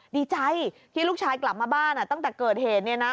ดีใจที่ลูกชายกลับมาบ้านตั้งแต่เกิดเหตุเนี่ยนะ